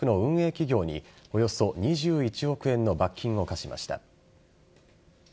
企業におよそ２１億円の罰金を科しました。